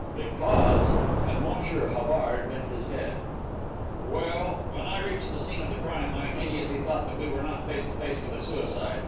"Because" and Monsieur Havard bent his head. "Well, when I reached the scene of the crime I immediately thought that we were not face to face with a suicide.